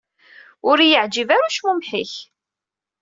Ur i-yeɛǧib ara ucmumeḥ-ik.